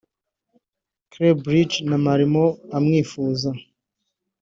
Club Brugge na Malmo amwifuza